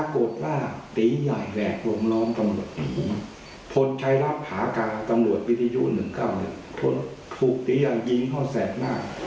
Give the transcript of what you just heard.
กลับกลุ่ม